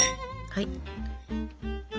はい！